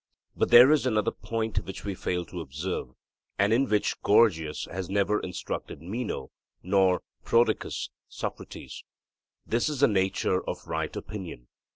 But there is another point which we failed to observe, and in which Gorgias has never instructed Meno, nor Prodicus Socrates. This is the nature of right opinion.